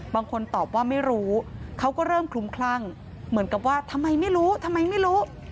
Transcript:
บางคนตอบว่าไม่รู้เขาก็เริ่มคลุมขลังเหมือนว่าทำไมไม่รู้